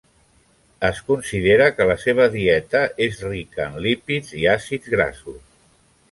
Es considera que la seva dieta és rica en lípids i àcids grassos.